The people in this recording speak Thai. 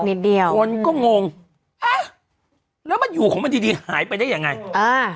นิดเดียวคนก็งงฮะแล้วมันอยู่ของมันดีดีหายไปได้ยังไงอ่า